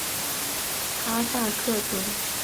哈萨克族。